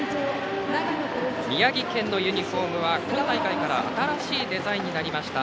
宮城県のユニフォームは今大会から新しいデザインになりました。